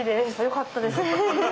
よかったです。